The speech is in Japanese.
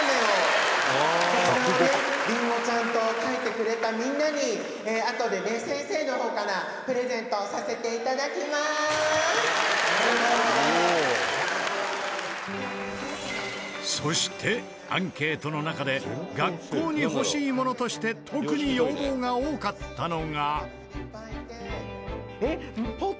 「こちらをねりんごちゃんと書いてくれたみんなにあとでね先生の方からプレゼントさせて頂きます」「」そしてアンケートの中で学校に欲しいものとして特に要望が多かったのが。